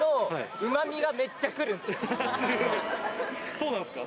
そうなんすか。